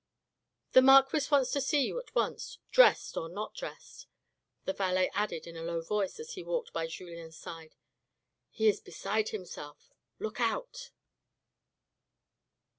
" The marquis wants to see you at once, dressed or not dressed." The valet added in a low voice, as he walked by Julien's side, "He is beside himself: look out!"